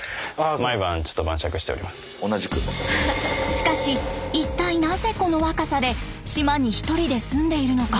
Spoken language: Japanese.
しかし一体なぜこの若さで島に１人で住んでいるのか。